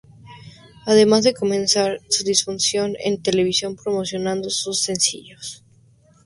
Además de comenzar su difusión en televisión promocionando sus sencillos.